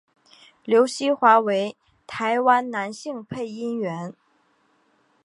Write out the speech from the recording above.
刘锡华为台湾男性配音员。